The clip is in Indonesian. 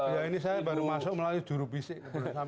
ya ini saya baru masuk melalui jurubisik